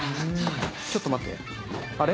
ちょっと待ってあれ？